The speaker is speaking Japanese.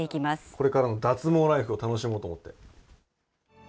これからの脱毛ライフを楽しもうと思って。